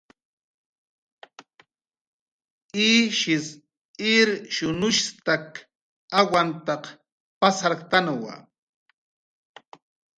Ishis irshunushstak awanta pasarktanwa